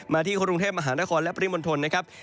ที่กรุงเทพมหานครและปริมณฑลนะครับ